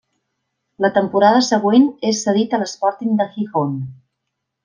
La temporada següent és cedit a l'Sporting de Gijón.